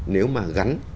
nếu mà gắn